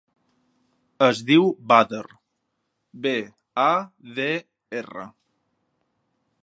Es diu Badr: be, a, de, erra.